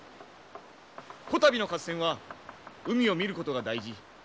こたびの合戦は海を見ることが大事。